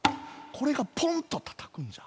これがポンとたたくんじゃ。